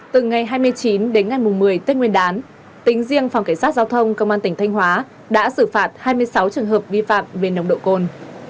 từ ngày hai mươi chín đến ngày một mươi tết nguyên đán tính riêng phòng cảnh sát giao thông công an tỉnh thanh hóa đã xử phạt hai mươi sáu trường hợp vi phạm về nồng độ cồn